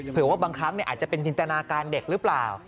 ว่าบางครั้งอาจจะเป็นจินตนาการเด็กหรือเปล่า